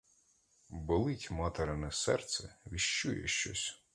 Болить материне серце — віщує щось.